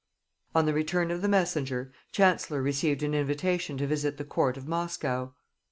On the return of the messenger, Chancellor received an invitation to visit the court of Moscow.